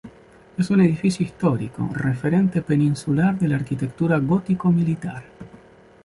Es un edificio histórico, referente peninsular de la arquitectura gótico-militar.